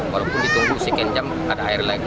walaupun ditunggu sekian jam ada air lagi